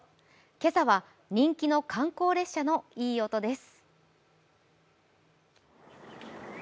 今朝は人気の観光列車のいい音です。